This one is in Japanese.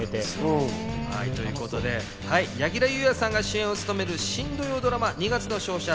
柳楽優弥さんが主演を務める新土曜ドラマ『二月の勝者ー